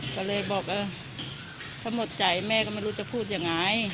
ก็เลยบอกเออถ้าหมดใจแม่ก็ไม่รู้จะพูดยังไง